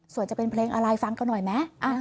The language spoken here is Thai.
ส่วนจะเป็นเพลงอะไรฟังกันหน่อยไหม